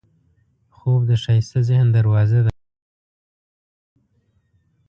خوب د ښایسته ذهن دروازه ده